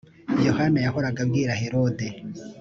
yohana yahoraga abwira herode